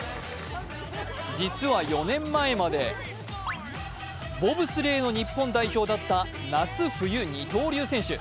実は４年前まで、ボブスレーの日本代表だった夏冬二刀流選手。